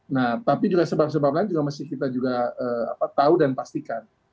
nah tapi juga sebab sebab lain juga mesti kita juga tahu dan pastikan